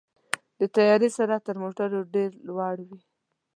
د طیارې سرعت تر موټرو ډېر لوړ وي.